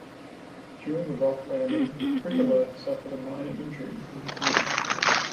During the rough landing, Krikalev suffered a minor injury to his knee.